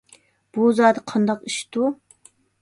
بۇ زادى قانداق ئىشتۇ؟